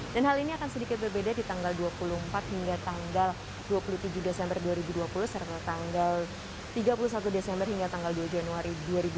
dan hal ini akan sedikit berbeda di tanggal dua puluh empat hingga tanggal dua puluh tujuh desember dua ribu dua puluh serta tanggal tiga puluh satu desember hingga tanggal dua januari dua ribu dua puluh satu